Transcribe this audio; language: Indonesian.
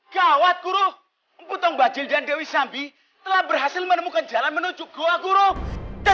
gawat guru putong bajil dan dewi sambi telah berhasil menemukan jalan menuju goa guru dan